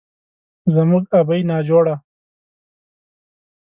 زموږ ابۍ ناجوړه،